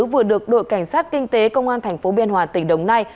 vừa được đội cảnh sát kinh tế công an thành phố biên hòa tỉnh đồng nai